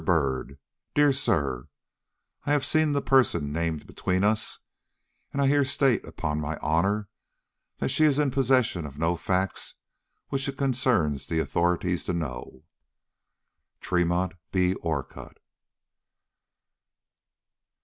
BYRD: Dear Sir I have seen the person named between us, and I here state, upon my honor, that she is in possession of no facts which it concerns the authorities to know. TREMONT B. ORCUTT.